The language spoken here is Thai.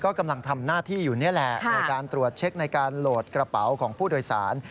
กำลังทำหน้าที่อยู่นี่แหละในการตรวจเช็คในการโหลดกระเป๋าของผู้โดยสาร